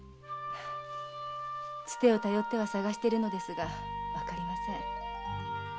伝を頼っては探してるのですがわかりません。